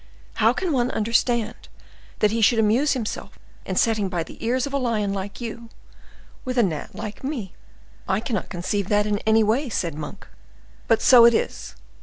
How can one understand that he should amuse himself in setting by the ears a lion like you with a gnat like me?" "I cannot conceive that in any way," said Monk. "But so it is.